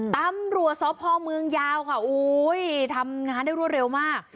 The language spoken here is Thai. ตำรัวซอฟท์ฮอล์เมืองยาวค่ะทำงานได้รวดเร็วมาก